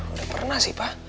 udah pernah sih pak